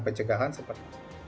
pencegahan seperti ini